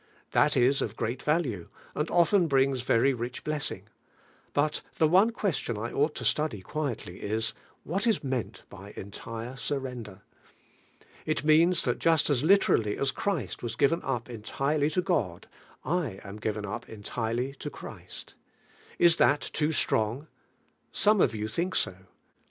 That is of great value, and often brings very rich bles sing. But the one question T ought to study quietly is: What is meant by en tire Bartender? It means that just aa literally as Christ was Riven up entirely to God, I am given up entirely to Christ Is that too strong? Some of you think so.